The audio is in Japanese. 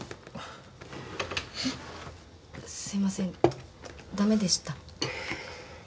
すいません駄目でした？